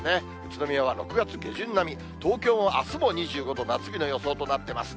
宇都宮は６月下旬並み、東京はあすも２５度、夏日の予想となってます。